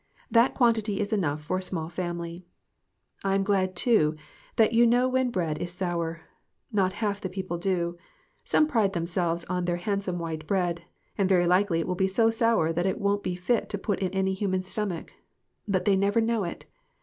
That quantity is enough for a small family. I am glad, too, that you know when bread is sour. Not half the people do. Some pride them selves on their handsome white bread ; and very likely it will be so sour that it won't be fit to put in any human stomach. But they never know it.